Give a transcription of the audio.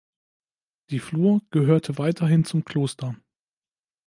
Die Flur gehörte weiterhin zum Kloster.